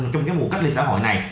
trong cái mùa cách ly xã hội này